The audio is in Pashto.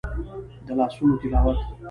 د لاسونو تلاوت